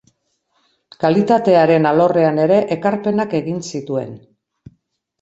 Kalitatearen alorrean ere ekarpenak egin zituen.